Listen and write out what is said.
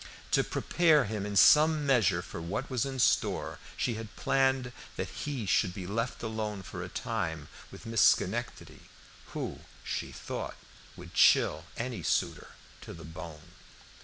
To prepare him in some measure for what was in store, she had planned that he should be left alone for a time with Miss Schenectady, who, she thought, would chill any suitor to the bone.